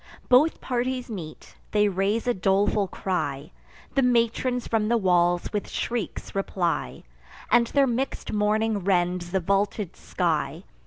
Both parties meet: they raise a doleful cry; The matrons from the walls with shrieks reply, And their mix'd mourning rends the vaulted sky.